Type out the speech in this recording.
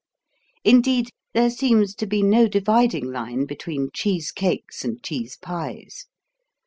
Indeed, there seems to be no dividing line between cheese cakes and cheese pies.